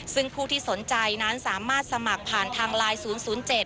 ซึ่งผู้ที่สนใจนั้นสามารถสมัครผ่านทางไลน์๐๐๗